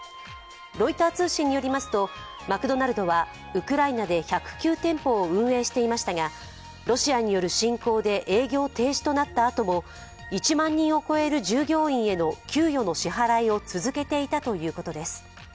ロイター通信によりますとマクドナルドは、ウクライナで１０９店舗を運営していましたがロシアによる侵攻で営業停止となったあとも１万人を超える従業員への給与の支払いを続けていたということです。